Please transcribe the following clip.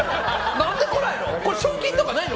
なんで来ないの？